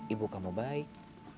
ibu kamu baik